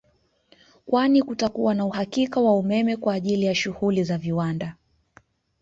Kwani kutakuwa na uhakika wa umeme kwa ajili ya shughuli za viwanda